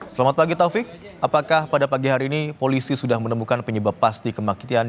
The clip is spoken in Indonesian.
selamat pagi taufik apakah pada pagi hari ini polisi sudah menemukan penyebab pasti kematian